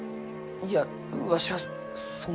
いやわしはそんな。